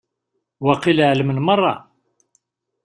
Waqil εelmen merra.